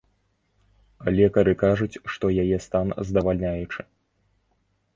Лекары кажуць, што яе стан здавальняючы.